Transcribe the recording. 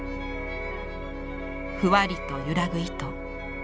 ふわりと揺らぐ糸。